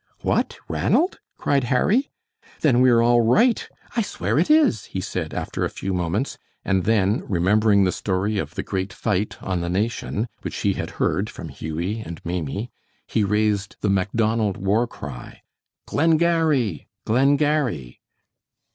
"What, Ranald?" cried Harry. "Then we are all right. I swear it is," he said, after a few moments, and then, remembering the story of the great fight on the Nation, which he had heard from Hughie and Maimie, he raised the Macdonald war cry: "Glengarry! Glengarry!"